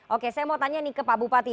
oke saya mau tanya nih ke pak bupati